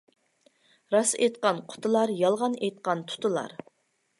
راست ئېيتقان قۇتۇلار، يالغان ئېيتقان تۇتۇلار.